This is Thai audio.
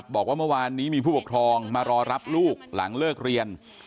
บอกว่าเมื่อวานนี้มีผู้ปกครองมารอรับลูกหลังเลิกเรียน